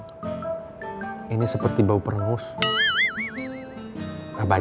kalau duduk dekat dengan bu nawang kalau duduk dekat dengan bu nawang